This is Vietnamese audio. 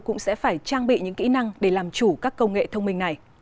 cũng sẽ phải trang bị những kỹ năng để làm chủ các công nghệ thông minh này